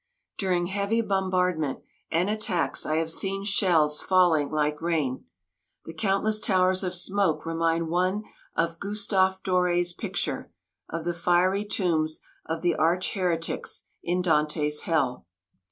During heavy bombardment and attacks I have seen shells falling like rain. The countless towers of smoke remind one of Gustave Doré's picture of the fiery tombs of the arch heretics in Dante's "Hell."